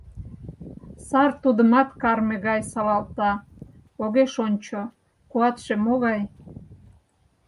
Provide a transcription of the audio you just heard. Сар тудымат карме гай солалта, огеш ончо, куатше могай?